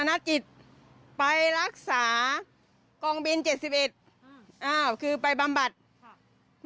นักจิตไปรักษากองบินเจ็ดสิบเอ็ดอืมอ้าวคือไปบำบัดค่ะ